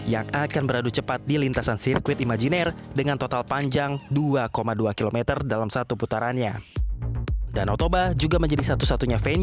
yang akan beradu cepat di lintasan sirkuit imajiner dengan total panjang dua dua km dalam satu putarannya